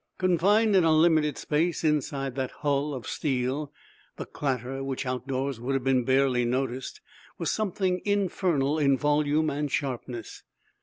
Confined in a limited space, inside that bull of steel, the clatter, which outdoors would have been barely noticed, was something infernal in volume and sharpness.